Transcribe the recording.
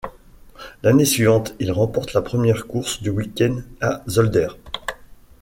L'année suivante, il remporte la première course du week-end à Zolder.